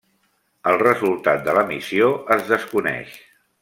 El resultat de la missió es desconeix.